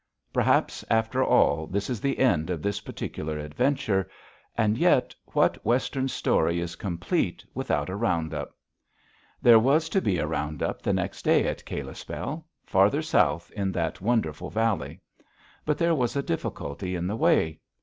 Perhaps, after all, this is the end of this particular adventure. And yet, what Western story is complete without a round up? There was to be a round up the next day at Kalispell, farther south in that wonderful valley. But there was a difficulty in the way.